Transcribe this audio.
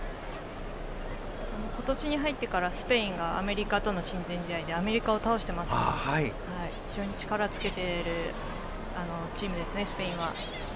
今年に入ってからスペインがアメリカとの親善試合でアメリカを倒してますから非常に力はつけているチームですね、スペインは。